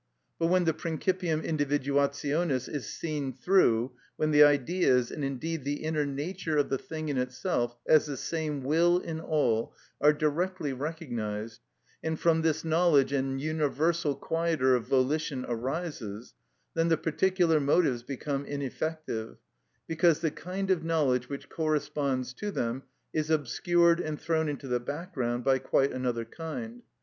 But when the principium individuationis is seen through, when the Ideas, and indeed the inner nature of the thing in itself, as the same will in all, are directly recognised, and from this knowledge an universal quieter of volition arises, then the particular motives become ineffective, because the kind of knowledge which corresponds to them is obscured and thrown into the background by quite another kind.